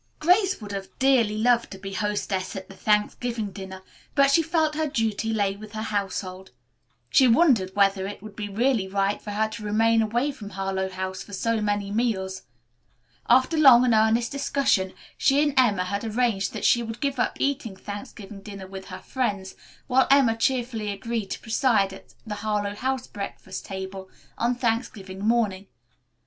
Grace would have dearly loved to be hostess at the Thanksgiving dinner, but she felt that her duty lay with her household. She wondered whether it would be really right for her to remain away from Harlowe House for so many meals. After long and earnest discussion, she and Emma had arranged that she would give up eating Thanksgiving dinner with her friends, while Emma cheerfully agreed to preside at the Harlowe House breakfast table on Thanksgiving morning.